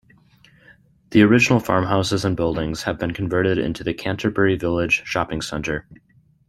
The original farmhouses and buildings have been converted into the Canterbury Village shopping center.